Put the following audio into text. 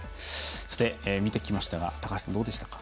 見てきましたが高橋さん、どうでしたか？